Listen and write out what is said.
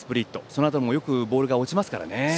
その辺りもよくボールが落ちますからね。